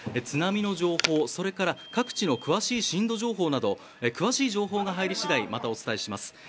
津波の情報各地の詳しい震度情報など詳しい情報が入り次第またお伝えします。